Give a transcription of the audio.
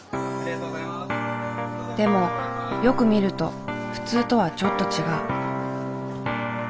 でもよく見ると普通とはちょっと違う。